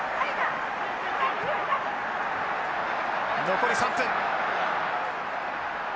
残り３分。